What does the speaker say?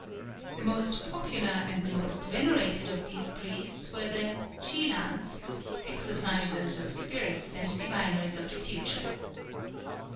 The most popular and the most venerated of these priests were the Chilans, exorcisers of spirits and diviners of the future.